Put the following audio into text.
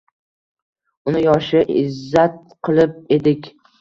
Uni yoshini izzat qilib edik